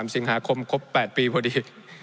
สิงหาคมครบ๘ปีพอดี